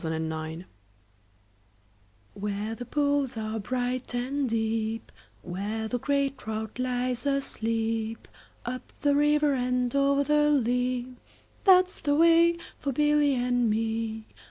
A Boy's Song WHERE the pools are bright and deep, Where the grey trout lies asleep, Up the river and over the lea, That 's the way for Billy and me.